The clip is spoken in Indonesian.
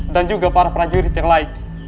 dan juga para prajurit yang lain